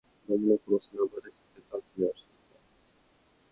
子供の頃、砂場で砂鉄集めをしていた。